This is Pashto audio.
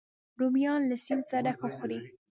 رومیان له سیند سره ښه خوري